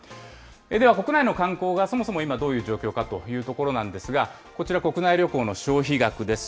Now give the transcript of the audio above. では国内の観光がそもそも今、どういう状況かというところなんですが、こちら、国内旅行の消費額です。